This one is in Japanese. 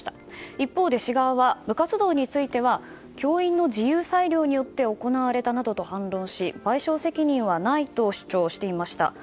一方で市側は部活動については教員の自由裁量によって行われたなどと反論し賠償責任はないと主張していました。